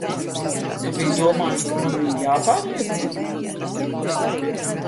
Tu biji domājis, ka man viņa jāpārliecina?